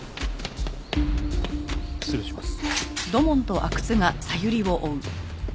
失礼します。